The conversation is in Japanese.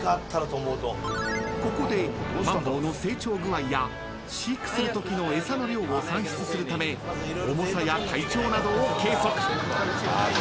［ここでマンボウの成長具合や飼育するときの餌の量を算出するため重さや体長などを計測］